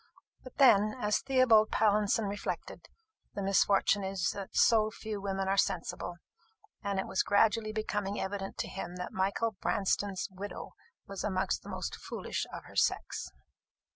But then, as Theobald Pallinson reflected, the misfortune is that so few women are sensible; and it was gradually becoming evident to him that Michael Branston's widow was amongst the most foolish of her sex.